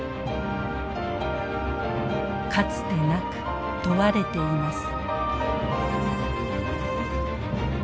かつてなく問われています。